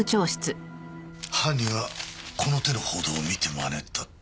犯人はこの手の報道を見て真似た。